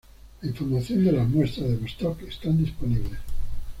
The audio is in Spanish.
La información de las muestras de Vostok están disponibles.